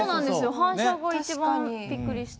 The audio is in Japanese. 反射が一番びっくりした。